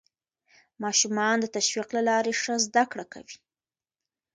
ماشومان د تشویق له لارې ښه زده کړه کوي